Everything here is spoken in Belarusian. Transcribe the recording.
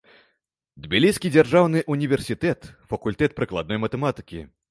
Тбіліскі дзяржаўны ўніверсітэт, факультэт прыкладной матэматыкі.